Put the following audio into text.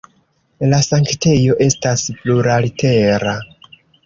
La sanktejo estas plurlatera.